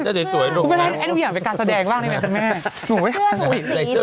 ครับผมอยากเป็นการแสดงบ้างเลยไหมคุณแม่